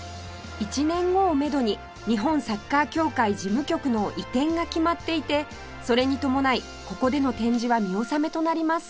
１年後をめどに日本サッカー協会事務局の移転が決まっていてそれに伴いここでの展示は見納めとなります